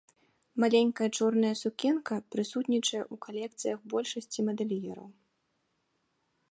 Маленькая чорная сукенка прысутнічае ў калекцыях большасці мадэльераў.